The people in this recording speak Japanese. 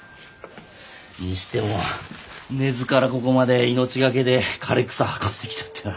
にしても根津からここまで命懸けで枯れ草運んできたってな。